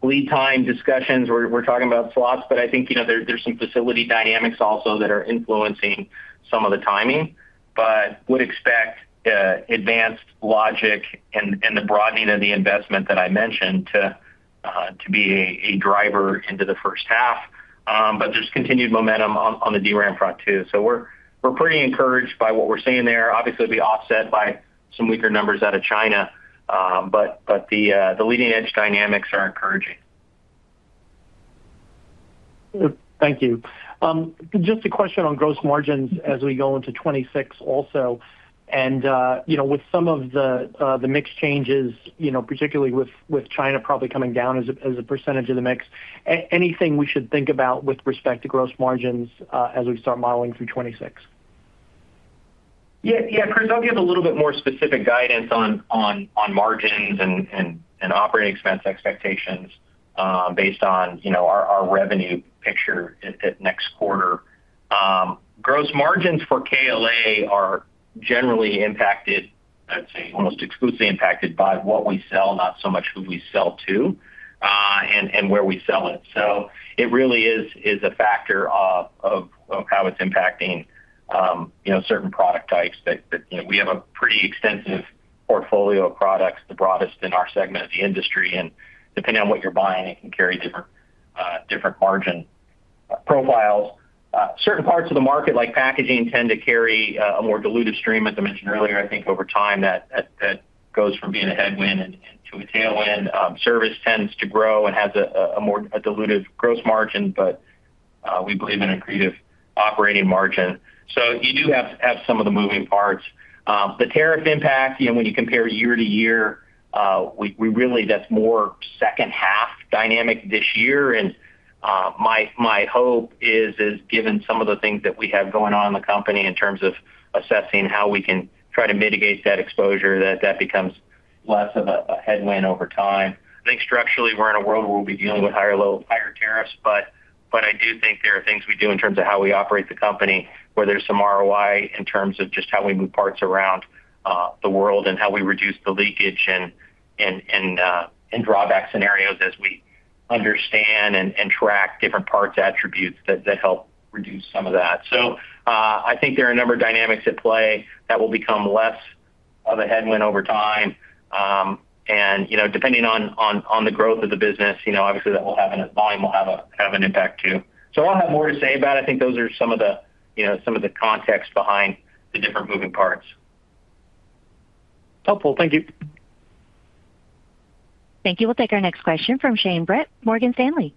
Lead time discussions, we're talking about slots, but I think there are some facility dynamics also that are influencing some of the timing. I would expect advanced logic and the broadening of the investment that I mentioned to be a driver into the first half. There's continued momentum on the DRAM front too. We're pretty encouraged by what we're seeing there, obviously offset by some weaker numbers out of China, but the leading edge dynamics are encouraging. Thank you. Just a question on gross margins as we go into 26 also and with some of the mix changes, particularly with China probably coming down as a percentage of the mix. Anything we should think about with respect to gross margins as we start modeling through 26? Yeah, Chris, I'll give a little bit more specific guidance on margins and operating expense expectations based on our revenue picture next quarter. Gross margins for KLA are generally impacted, almost exclusively impacted by what we sell, not so much who we sell to and where we sell it. It really is a factor of how it's impacting certain product types. We have a pretty extensive portfolio of products, the broadest in our segment of the industry, and depending on what you're buying, it can carry different margin profiles. Certain parts of the market, like packaging, tend to carry a more diluted stream, as I mentioned earlier. I think over time that goes from being a headwind, and retail and service tends to grow and has a more dilutive gross margin, but we believe in accretive operating margin. You do have some of the moving parts. The tariff impact, when you compare year to year, we really. That's more second half dynamic this year. My hope is, given some of the things that we have going on in the company in terms of assessing how we can try to mitigate that exposure, that that becomes less of a headwind over time. I think structurally we're in a world where we'll be dealing with higher, low, higher tariffs. I do think there are things we do in terms of how we operate the company where there's some ROI in terms of just how we move parts around the world and how we reduce the leakage and drawback scenarios as we understand and track different parts attributes that help reduce some of that. I think there are a number of dynamics at play that will become less of a headwind over time and, depending on the growth of the business, obviously that will have a volume will have an impact too. I'll have more to say about it. I think those are some of the context behind the different moving parts. Helpful. Thank you. Thank you. We'll take our next question from Shane Brett, Morgan Stanley.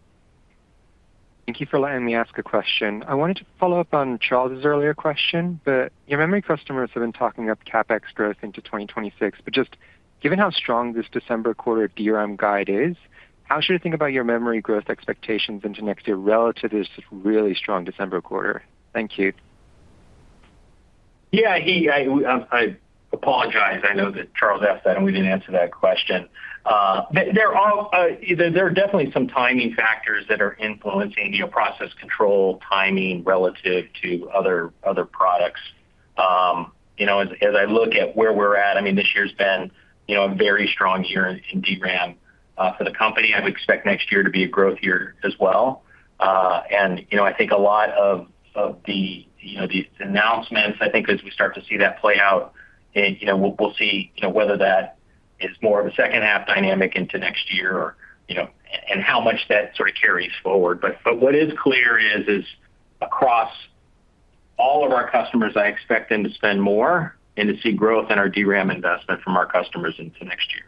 Thank you for letting me ask a question. I wanted to follow up on Charles's earlier question, but your memory customers have been talking up CapEx growth into 2026. Just given how strong this December quarter DRAM guide is, how should I think about your memory growth expectations into next year relative to this really strong December quarter? Thank you. Yeah, I apologize. I know that Charles asked that and we didn't answer that question. There are definitely some timing factors that are influencing your process control timing relative to other products. As I look at where we're at, this year's been a very strong year in DRAM for the company. I would expect next year to be a growth year as well. I think a lot of the announcements, as we start to see that play out, we'll see whether that is more of a second half dynamic into next year and how much that sort of carries forward. What is clear is across all of our customers, I expect them to spend more and to see growth in our DRAM investment from our customers into next year.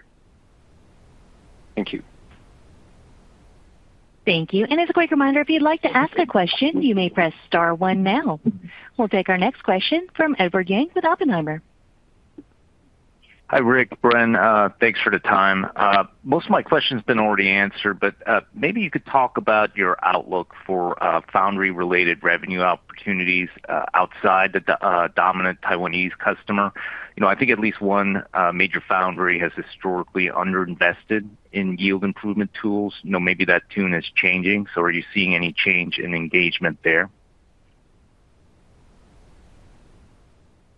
Thank you. Thank you. As a quick reminder, if you'd like to ask a question, you may press Star One. Now we'll take our next question from Edward Yang with Oppenheimer. Hi Rick, Bren, thanks for the time. Most of my question's been already answered, but maybe you could talk about your outlook for foundry related revenue opportunities outside the dominant Taiwanese customer. I think at least one major foundry has historically underinvested in yield improvement tools. Maybe that tune is changing. Are you seeing any change in engagement there?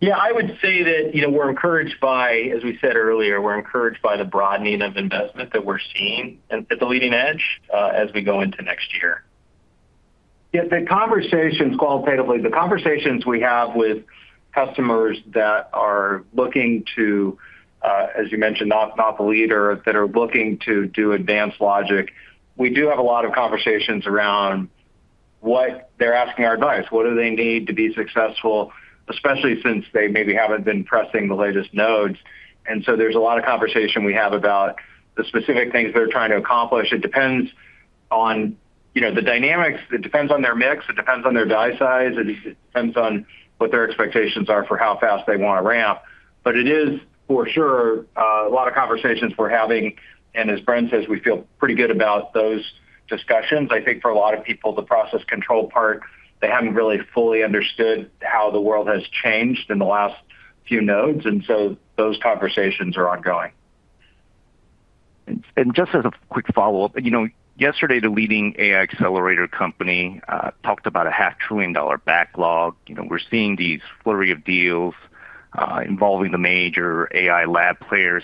Yeah, I would say that, you know, we're encouraged by, as we said earlier, we're encouraged by the broadening of investment that we're seeing at the leading edge as we go into next year. The conversations, qualitatively, the conversations we have with customers that are looking to, as you mentioned, not the leader that are looking to do advanced logic, we do have a lot of conversations around what they're asking our advice, what do they need to be successful, especially since they maybe haven't been pressing the latest nodes. There's a lot of conversation we have about the specific things they're trying to accomplish. It depends on the dynamics, it depends on their mix, it depends on their die size, it depends on what their expectations are for how fast they want to ramp. It is for sure a lot of conversations we're having. As Bren says, we feel pretty good about those discussions. I think for a lot of people, the process control part, they haven't really fully understood how the world has changed in the last few nodes. Those conversations are ongoing. Just as a quick follow up, yesterday the leading AI accelerator company talked about a half trillion dollar backlog. We're seeing these flurry of deals involving the major AI lab players.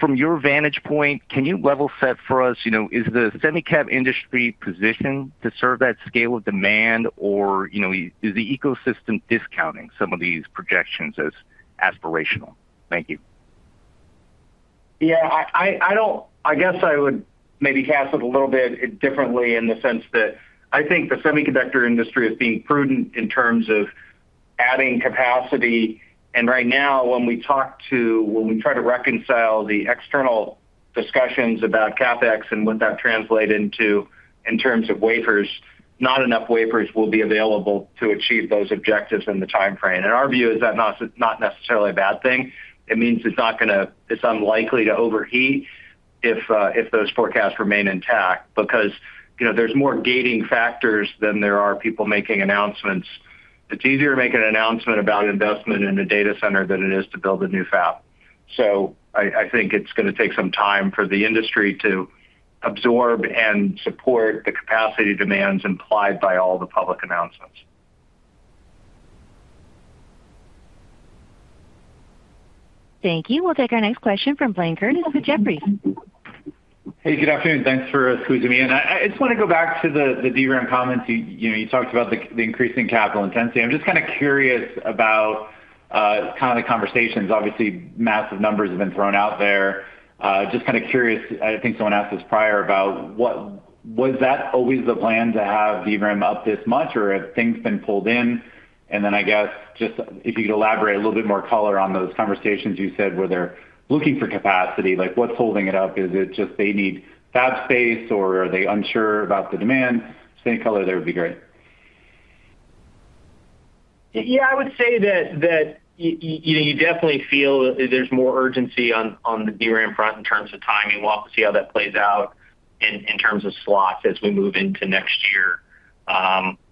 From your vantage point, can you level set for us, is the semiconductor industry positioned to serve that scale of demand or is the ecosystem discounting some of these projections as aspirational? Thank you. Yeah, I don't, I guess I would maybe cast it a little bit differently in the sense that I think the semiconductor industry is being prudent in terms of adding capacity. Right now when we talk to, when we try to reconcile the external discussions about CapEx and would that translate into in terms of wafers, not enough wafers will be available to achieve those objectives in the time frame. Our view is that not necessarily a bad thing. It means it's not going to. It's unlikely to overheat if those forecasts remain intact. There are more gating factors than there are people making announcements. It's easier to make an announcement about investment in a data center than it is to build a new fabric. I think it's going to take some time for the industry to absorb and support the capacity demands implied by all the public announcements. Thank you. We'll take our next question from Blayne Curtis. Jeffrey. Hey, good afternoon. Thanks for squeezing me in. I just want to go back to the DRAM comments you talked about, the increasing capital intensity. I'm just kind of curious about the conversations. Obviously, massive numbers have been thrown out there. Just kind of curious. I think someone asked this prior about was that always the plan to have DRAM up this much or have things been pulled in? If you could elaborate a little bit more color on those conversations. You said where they're looking for capacity, like what's holding it up? Is it just they need fab space or are they unsure about the demand? Same color there would be great. I would say that you definitely feel there's more urgency on the DRAM front in terms of timing. We'll see how that plays out in terms of slots as we move into next year.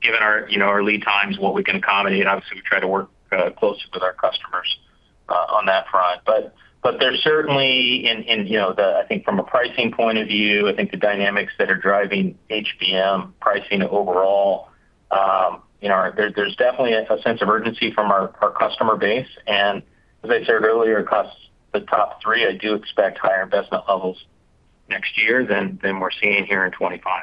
Given our lead times, what we can accommodate. Obviously, we try to work closely with our customers on that front, but there's certainly, I think from a pricing point of view, the dynamics that are driving HBM pricing overall, there's definitely a sense of urgency from our customer base. As I said earlier, across the top three, I do expect higher investment levels next year than we're seeing here in 2025.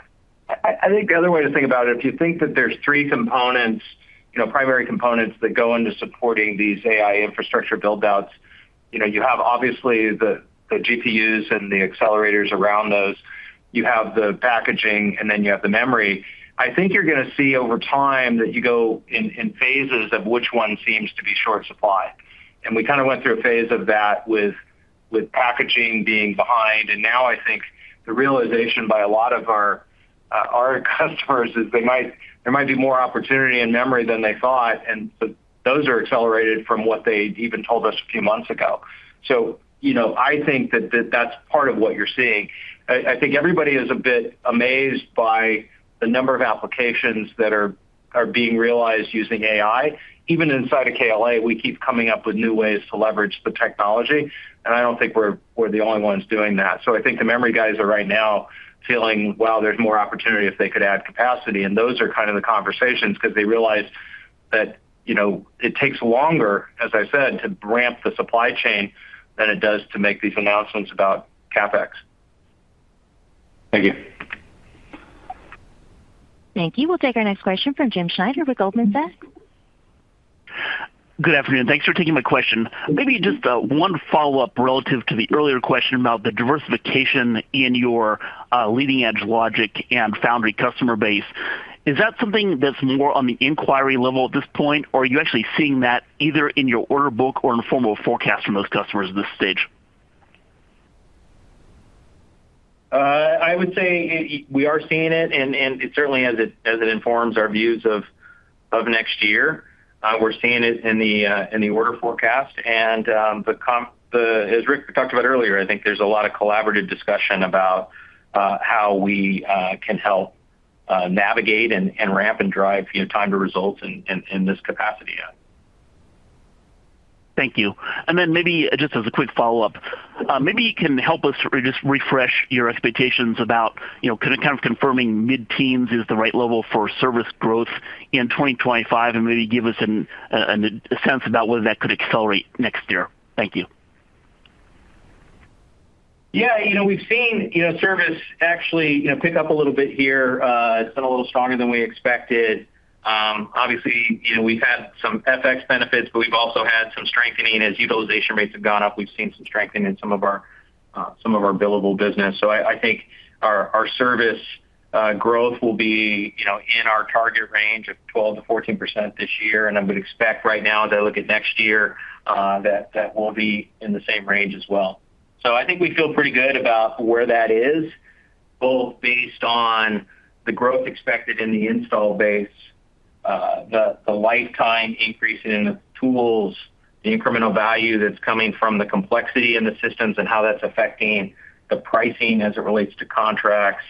The other way to think about it, if you think that there's three components, primary components that go into supporting these AI infrastructure build outs. You have obviously the GPUs and the accelerators around those. You have the packaging and then you have the memory. I think you're going to see over time that you go in phases of which one seems to be short supply. We kind of went through a phase of that with packaging being behind. Now I think the realization by a lot of our customers is there might be more opportunity in memory than they thought. Those are accelerated from what they even told us a few months ago. I think that that's part of what you're seeing. I think everybody is a bit amazed by the number of applications that are being realized using AI. Even inside of KLA, we keep coming up with new ways to leverage the technology and I don't think we're the only ones doing that. I think the memory guys are right now feeling, wow, there's more opportunity if they could add capacity. Those are kind of the conversations because they realize that it takes longer, as I said, to ramp the supply chain than it does to make these announcements about CapEx. Thank you. Thank you. We'll take our next question from Jim Schneider with Goldman Sachs. Good afternoon. Thanks for taking my question. Maybe just one follow up relative to the earlier question about the diversification in your leading edge logic and foundry customer base. Is that something that's more on the inquiry level at this point or are you actually seeing that either in your order book or informal forecast from those customers at this stage? I would say we are seeing it and it certainly, as it informs our views of next year, we're seeing it in the order forecast. As Rick talked about earlier, I think there's a lot of collaborative discussion about how we can help navigate and ramp and drive time to results in this capacity. Thank you. Maybe just as a quick follow up, maybe you can help us refresh your expectations about kind of confirming mid-teens is the right level for service growth in 2025 and maybe give us a sense about whether that could accelerate next year. Thank you. Yeah, you know, we've seen service actually pick up a little bit here. It's been a little stronger than we expected. Obviously, we've had some FX benefits, but we've also had some strengthening as utilization rates have gone up. We've seen some strength in some of our billable business. I think our service growth will be in our target range of 12%-14% this year. I would expect right now that I look at next year that will be in the same range as well. I think we feel pretty good about where that is, both based on the growth expected in the install base, the lifetime increase in tools, the incremental value that's coming from the complexity in the systems and how that's affecting the pricing as it relates to contracts,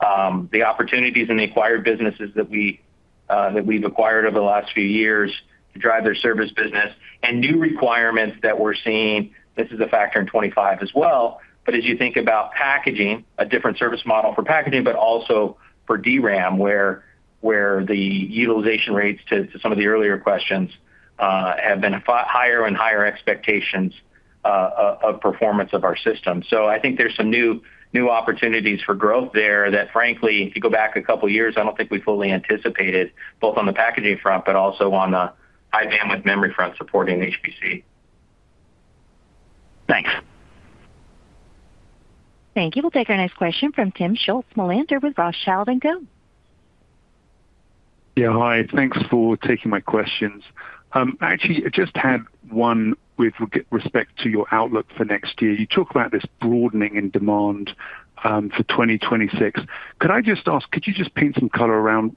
the opportunities in the acquired businesses that we've acquired over the last few years to drive their service business, and new requirements that we're seeing. This is a factor in 2025 as well. As you think about packaging, a different service model for packaging but also for DRAM, where the utilization rates, to some of the earlier questions, have been higher and higher expectations of performance of our system. I think there's some new opportunities for growth there that, frankly, if you go back a couple years, I don't think we fully anticipated, both on the packaging front but also on high-bandwidth memory front supporting HPC. Thank you. We'll take our next question from Timm Schulze-Melander with Rothschild & Co. Yeah, hi, thanks for taking my questions. Actually, I just had one. With respect to your outlook for next year, you talk about this broadening in demand for 2026. Could I just ask, could you just paint some color around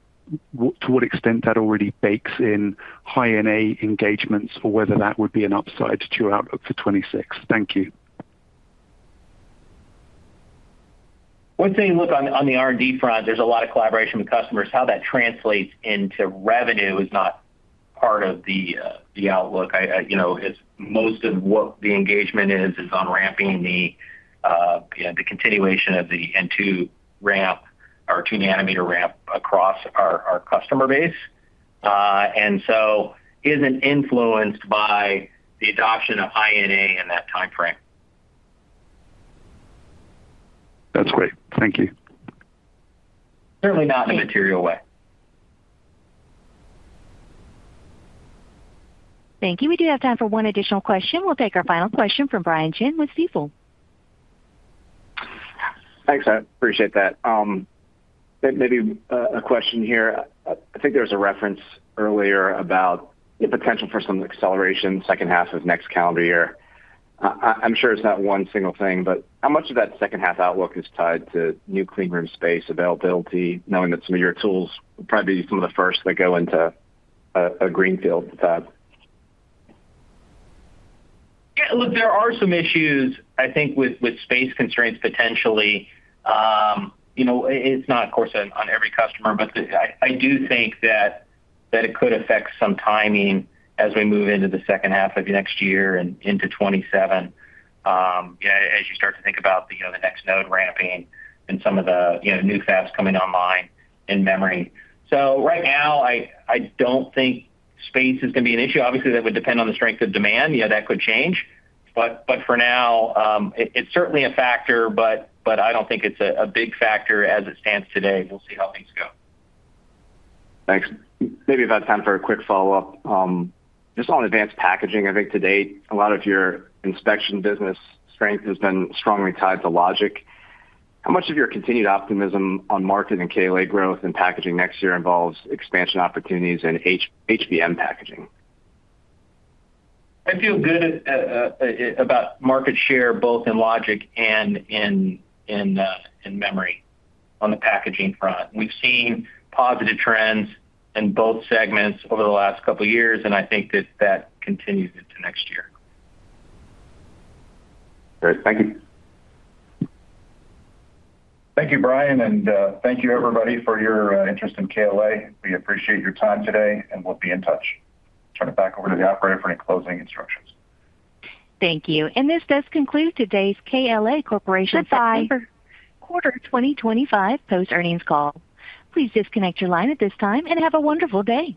to what extent that already bakes in high NA engagements or whether that would be an upside to your outlook for 2026? Thank you. One thing, look, on the R&D front there's a lot of collaboration with customers. How that translates into revenue is not part of the outlook. Most of what the engagement is is on ramping. The continuation of the N2 ramp or 2 nanometer ramp across our customer base isn't influenced by the adoption of high NA in that time frame. That's great. Thank you. Certainly not in a material way. Thank you. We do have time for one additional question. We'll take our final question from Brian Chin with Stifel. Thanks, I appreciate that. Maybe a question here. I think there was a reference earlier about the potential for some acceleration second half of next calendar year. I'm sure it's not one single thing, but how much of that second half outlook is tied to new clean room space availability? Knowing that some of your tools, probably some of the first that go into a greenfield path. There are some issues, I think, with space constraints potentially. It's not, of course, on every customer, but I do think that it could affect some timing as we move into the second half of next year and into 2027 as you start to think about the next node ramping and some of the new fabs coming online in memory. Right now, I don't think space is going to be an issue. Obviously, that would depend on the strength of demand. That could change, but for now it's certainly a factor, but I don't think it's a big factor as it stands today. We'll see how things go. Thanks. Maybe if I had time for a quick follow-up just on advanced packaging. I think today a lot of your inspection business strength has been strongly tied to logic. How much of your continued optimism on market and KLA growth and packaging next year involves expansion opportunities in HBM packaging? I feel good about market share both in logic and in memory on the packaging front. We've seen positive trends in both segments over the last couple years, and I think that that continues into next year. Good. Thank you. Thank you, Brian. And thank you everybody for your interest in KLA. We appreciate your time today and we'll be in touch. Turn it back over to the operator for any closing instructions. Thank you. This does conclude today's KLA Corporation September quarter 2025 post earnings call. Please disconnect your line at this time and have a wonderful day.